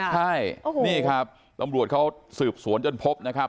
ใช่นี่ครับตำรวจเขาสืบสวนจนพบนะครับ